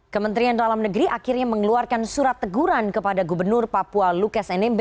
kementerian dalam negeri akhirnya mengeluarkan surat teguran kepada gubernur papua lukas nmb